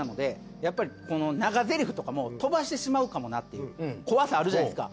やっぱり長ゼリフとかも飛ばしてしまうかもなっていう怖さあるじゃないですか。